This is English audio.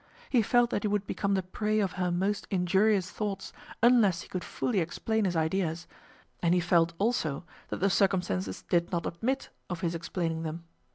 He felt that he would become the prey of her most injurious thoughts unless he could fully explain his ideas, and he felt, also, that the circumstances did not admit of his explaining them.